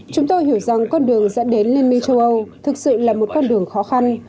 chúng tôi hiểu rằng con đường dẫn đến liên minh châu âu thực sự là một con đường khó khăn